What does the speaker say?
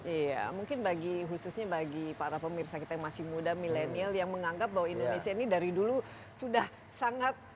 iya mungkin bagi khususnya bagi para pemirsa kita yang masih muda milenial yang menganggap bahwa indonesia ini dari dulu sudah sangat